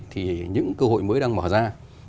thì những cơ hội mới đang mở ra